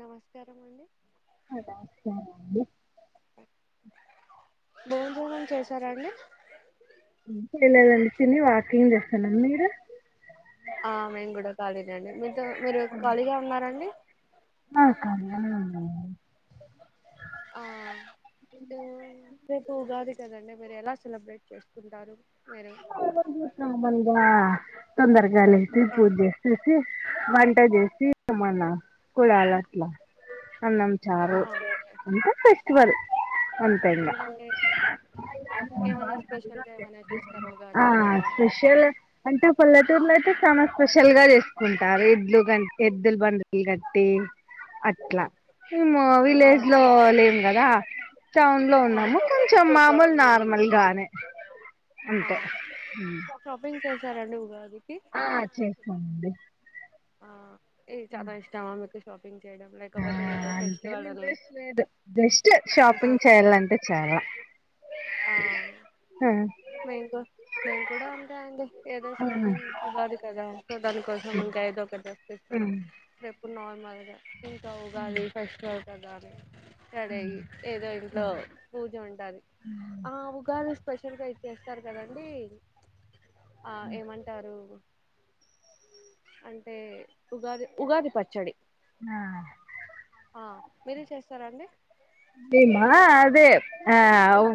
నమస్కారం అండి అ నమస్కారం అండి దేవుని పూజ చేసారా అండి ఏం చేయలేదండి తిని వాకింగ్ చేస్తన్న మీరు ఆ మేము కూడా ఖాలీలెండి మీరు మీరు ఖాళీగా ఉన్నారా అండి ఆ ఖాళీగానే ఉన్నానండి ఆ రేపు ఉగాది కదండి మీరు ఎలా సెలబ్రేట్ చేసుకుంటారు మీరు మామూలుగానే చేస్తాం ఇంగ తొందరగా లేసి ఆ పూజ చేసేసి వంట చేసి మన్నా కుడాలు అట్లా అన్నం చారు అవును ఇంక ఫెస్టివల్ అంతే ఇంగా అంటే ఏమైనా స్పెషల్ గా ఏమైనా చేస్తారా ఆ ఉగాదికి అలా స్పెషల్ అంటే పల్లేటూర్లో అయితే సమ్మర్ స్పెష్ చల్ గా చేసుకుంటారు ఎడ్లు ఎద్దులు బండీ కి కట్టి అట్లా హు ఆ విలేజ్ లో లేము కదా టౌన్ లో ఆ ఉన్నాము కొంచెం మాములు నార్మల్ గానే ఆ అంతే హు షాపింగ్ చేశారండి ఉగాదికి ఆ చేసుకోండి ఆ ఏ చాలా ఇష్టమా మీకి [unintelligible] చేయడం ఆ లేకపోతే ఏదో అంతేం ఫెస్టివల్ అని ఇంట్రెస్ట్ లేదు జస్ట్ ఆ షాపింగ్ చేయాలంటే చాలా ఆ ఆ మేము కూడ మేము కూడా అంతే అండి ఏదో ఆ షాపింగ్ కాదు కదా సో దానికోసం ఇంక ఎదొ ఒకటి డ్రస్ తీస్కొని ఆ. రేపు నార్మల్గా ఇంక ఉగాది పచ్చడి అలాగే ఇక్కడ ఏదో ఇంట్లో పూజ ఉంటది ఆ ఉగాది స్పెషల్ గా చేస్తారు కదా అండి ఆ ఏమంటారు అంటే ఉగాది ఉగాది పచ్చడి ఆ మీరే చేస్తారా అండి మేమా అదే ఆ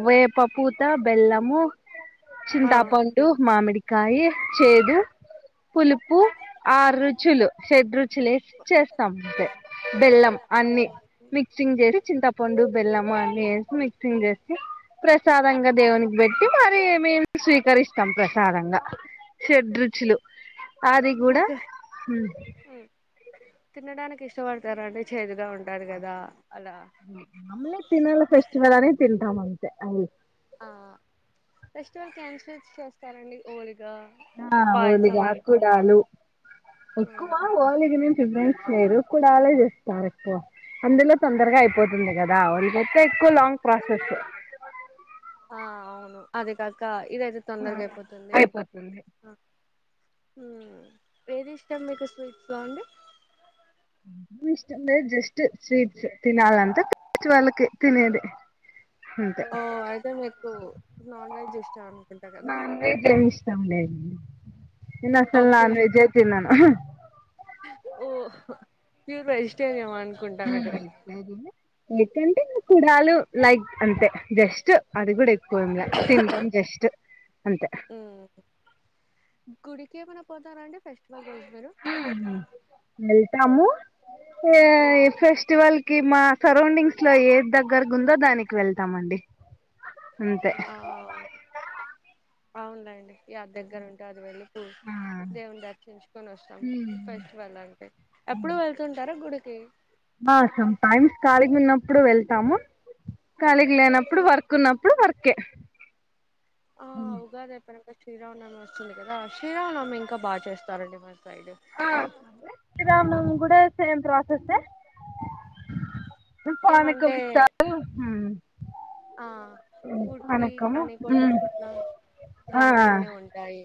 వేపపూత, బెల్లము ఆ చింతపండు, మామిడికాయి, చేదు పులుపు ఆరు రుచులు షెడ్ రుచులు వేసి చేస్తాం అంతే బెల్లం అన్ని మిక్సింగ్ చేసి చింత పండు బెల్లం అన్ని ఏసి మిక్సింగ్ చేసి ప్రసాదంగా దేవునికి బెట్టి మరి మేము స్వీకరిస్తాం ప్రసాదంగా షడ్రుచులు అది కూడా మీకు ఉ తినడానికి ఇష్టపడతారండి చేదుగా ఉంటాది కదా అలా అమ్లి తినాల ఫెస్టివల్ అనే తింటాం అంతే అవు ఆ ఫెస్టివల్ క్యాన్సిల్ చేస్తారండి ఓలి ఆ హోలీగా ఆడుకుంటారు ఎక్కువ హోలీగా ని పీవెరెన్స్ చేయరు కుండలో చేస్తారు ఎక్కువ అందులో తొందరగా అయిపోతుంది కదా వాళ్ళకైతే ఎక్కువ లాంగ్ ప్రాసెస్ ఆ అవును అదే కాక ఇదయితే తొందరగా అయిపోతుంది. అయిపోతుంది ఆ ఏది ఇష్టం మీకు స్వీట్స్ బాగుంది ఇష్టే జస్ట్ స్వీట్స్ తినాలంత వాళ్ళకి తినేది అంతే ఓ అయితే మీకు నాన్ వెజ్ ఇష్టం అనుకుంటా కదా వెజ్ ఏమి ఇష్టం నాన్ అసలు ఓకే నాన్ వెజ్ ఎ తిన్నాను అసలు ఓ ప్యూర్ వెజిటేరియన్ వా లేకంటే కుడాాలు ైక్ అంతే జస్ట్ అది కూడా ఎక్కువ ఏంది తింటాం జస్ట్ అంతే హ్మ్ గుడికి ఏం అన్న పోతార అండి ఫస్ట్ వెళ్తము ఫెస్టివల్ మా సరౌండింగ్స్ లో ఏ దగ్గరగా ఉందో దానికి వెళ్తామండి అంతే ఆ అవునులేండి యా దగ్గర ఉంటే అది వెళ్ళిూ దేవుని దర్శించుకొని వస్తాం ఫెస్టివల్ అంటే ఎప్పుడు వెళ్తుంటారా గుడి ఆ సామ్ టైమ్స్ కాలగి ఉన్నప్పుడు వెళ్త ాము కలిగి లేనప్పుడు వర్క్ ఉన్నప్పుడు వర్కే ఆ ఉగాది అయిపోయినాక శ్రీరావునమి వస్తుంది కదా శ్రీరామానమి ఇంకా బాగా చేస్తారండి మరి ఆ శ్రీరామ్ నవమి కూడ సేమ్ ప్రాసెస్ ఎ పనకం ఏమంటే ఇస్తారు ఆ కుుటి పానకము అని కొన్ని చోట్ల ఆ ఇలాంటివన్నీ ఉంటాయి